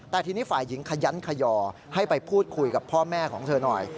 แต่ทีนี้ฝ่ายหญิงขยันขย่อให้ไปพูดคุยกับพ่อแม่ของเธอหน่อย